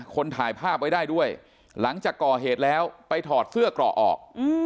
คนถ่ายภาพไว้ได้ด้วยหลังจากก่อเหตุแล้วไปถอดเสื้อเกราะออก